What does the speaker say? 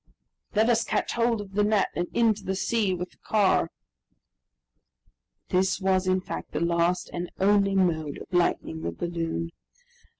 "Let us catch hold of the net, and into the sea with the car." This was, in fact, the last and only mode of lightening the balloon.